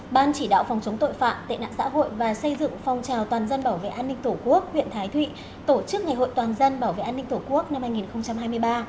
ban chỉ đạo phòng chống tội phạm tệ nạn xã hội và xây dựng phong trào toàn dân bảo vệ an ninh tổ quốc huyện thái thụy tổ chức ngày hội toàn dân bảo vệ an ninh tổ quốc năm hai nghìn hai mươi ba